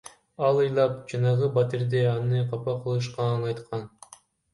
Ал ыйлап жанагы батирде аны капа кылышканын айткан.